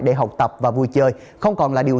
để học tập và vui chơi không còn là điều